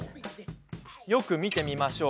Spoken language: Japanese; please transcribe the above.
よく見てみましょう。